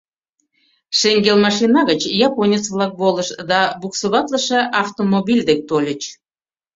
Шеҥгел машиныла гыч японец-влак волышт да буксоватлыше автомобиль дек тольыч.